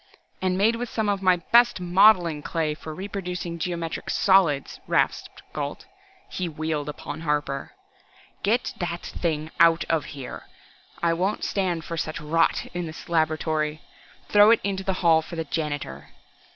"And made with some of my best modeling clay for reproducing geometric solids!" rasped Gault. He wheeled upon Harper. "Get that thing out of here! I won't stand for such rot in this laboratory. Throw it into the hall for the janitor!"